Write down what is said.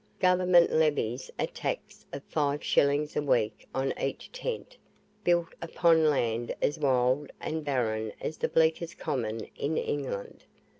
Government levies a tax of five shillings a week on each tent, built upon land as wild and barren as the bleakest common in England.